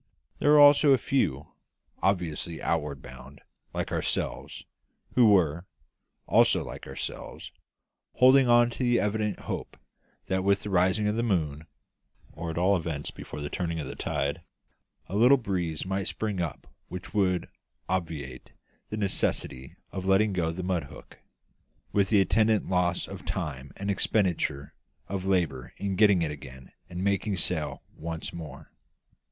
There were also a few obviously outward bound, like ourselves who were also like ourselves holding on in the evident hope that with the rising of the moon, or at all events before the turn of the tide, a little breeze might spring up which would obviate the necessity of letting go the mud hook, with the attendant loss of time and expenditure of labour in getting it again and making sail once more.